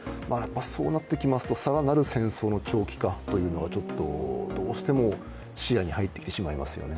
そうなってきますと、更なる戦争の長期化というのがちょっとどうしても視野に入ってきてしまいますよね。